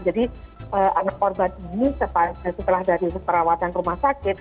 jadi anak korban ini setelah dari perawatan rumah sakit